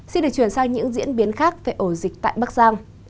xin được chuyển sang những diễn biến khác về ổ dịch tại bắc giang